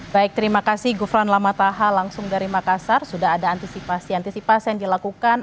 baik terima kasih gufran lamataha langsung dari makassar sudah ada antisipasi antisipasi yang dilakukan